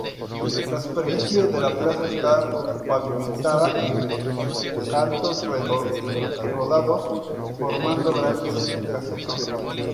La superficie de la plaza está pavimentada en cantos rodados formando grandes casetones.